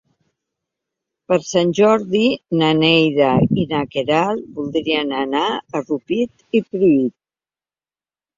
Per Sant Jordi na Neida i na Queralt voldrien anar a Rupit i Pruit.